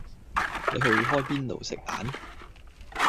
你去開邊度食晏